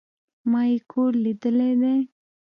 ما ئې کور ليدلى دئ